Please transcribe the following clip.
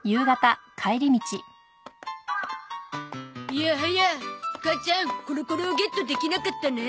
いやはや母ちゃんコロコロをゲットできなかったね。